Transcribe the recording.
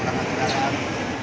kurangnya jenisnya kurang